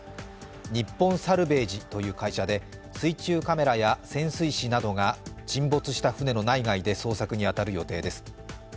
日本サルヴェージという会社で水中カメラや潜水士などが沈没した船の内外で捜索に当たる予定です。